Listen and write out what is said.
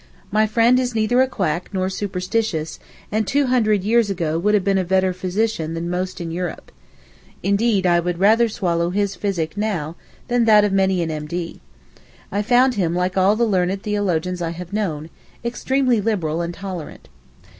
My friend is neither a quack nor superstitious, and two hundred years ago would have been a better physician than most in Europe. Indeed I would rather swallow his physic now than that of many a M.D. I found him like all the learned theologians I have known, extremely liberal and tolerant.